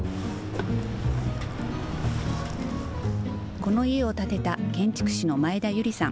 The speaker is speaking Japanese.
この家を建てた建築士の前田由利さん。